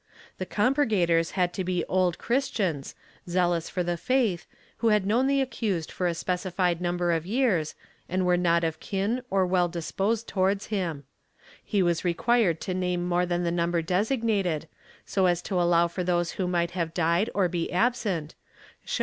The compurgators had to be Old Christians, zealous for the faith, who had known the accused for a specified number of years, and were not of kin or well disposed towards him. He was required to name more than the number designated, so as to allow for those who might have died or be absent, showing ' Simancse de Cath. Institt. Tit. lvi, n. 15. » Ibidem, n.